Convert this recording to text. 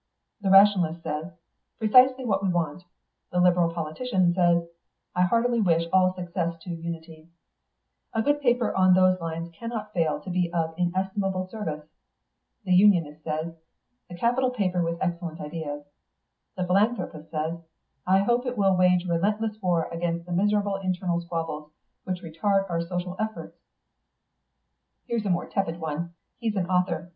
The rationalist says, 'Precisely what we want.' The Liberal politician says, 'I heartily wish all success to Unity. A good new paper on those lines cannot fail to be of inestimable service.' The Unionist says, 'A capital paper, with excellent ideals.' The philanthropist says, 'I hope it will wage relentless war against the miserable internal squabbles which retard our social efforts.' Here's a more tepid one he's an author.